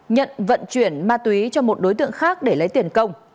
nhận vận chuyển ma túy cho một đối tượng khác để lấy tiền công